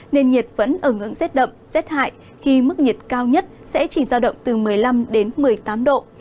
nền nhiệt vẫn ở ngưỡng xét đậm xét hại khi mức nhiệt cao nhất sẽ chỉ sao động từ một mươi năm đến một mươi tám độ